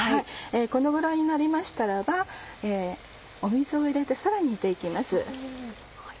このぐらいになりましたら水を入れてさらに煮て行きます。